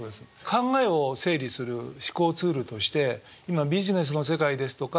考えを整理する思考ツールとして今ビジネスの世界ですとか